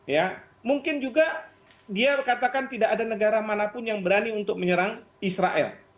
ya mungkin juga dia katakan tidak ada negara manapun yang berani untuk menyerang israel